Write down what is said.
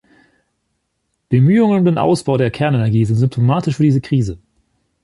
Bemühungen um den Ausbau der Kernenergie sind symptomatisch für diese Krise.